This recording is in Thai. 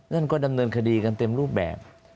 นั่นก็ดำเนินคดีกันเต็มรูปแบบ